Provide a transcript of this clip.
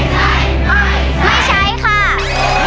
ไม่ใช้ค่ะ